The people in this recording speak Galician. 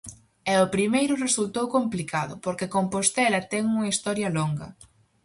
E ao primeiro resultou complicado, porque Compostela ten unha historia longa.